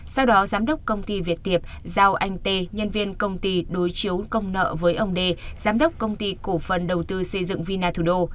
sau đó giám đốc công ty việt tiệp giao anh tê nhân viên công ty đối chiếu công nợ với ông đê giám đốc công ty cộng phần đầu tư xây dựng vina thủ đô